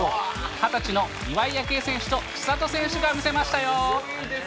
２０歳の岩井明愛選手と千怜選手が見せましたよ。